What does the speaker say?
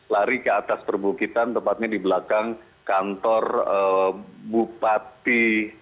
lari ke atas perbukitan tepatnya di belakang kantor bupati